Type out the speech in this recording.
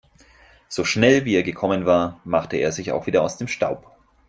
So schnell, wie er gekommen war, machte er sich auch wieder aus dem Staub.